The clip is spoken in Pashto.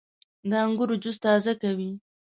• د انګورو جوس تازه کوي.